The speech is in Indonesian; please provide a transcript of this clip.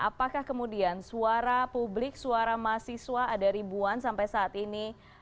apakah kemudian suara publik suara mahasiswa ada ribuan sampai saat ini